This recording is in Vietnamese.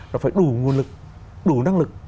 nó phải đủ nguồn lực đủ năng lực